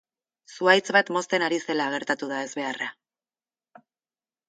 Zuhaitz bat mozten ari zela gertatu da ezbeharra.